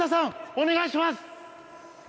お願いします。